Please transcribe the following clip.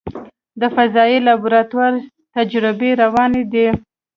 د فضایي لابراتوار تجربې روانې دي.